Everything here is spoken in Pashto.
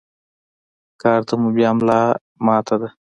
کار ته مو بيا ملا ماته ده.